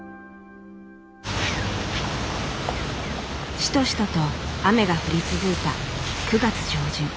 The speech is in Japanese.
シトシトと雨が降り続いた９月上旬。